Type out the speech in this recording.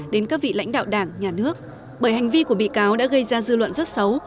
đến các vị lãnh đạo đảng nhà nước bởi hành vi của bị cáo đã gây ra dư luận rất xấu